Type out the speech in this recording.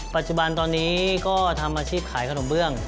ปัจจุบันตอนนี้ก็ทำอาชีพขายขนมเบื้อง